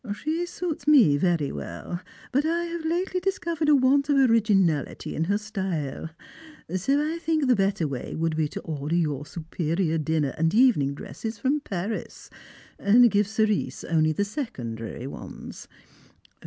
She suits me very well, but I have lately discovered a want of originality in her style ; so I think the better way would be to order your superior dinner and evening dresses from Paris, and give Cerise only the secondary ones.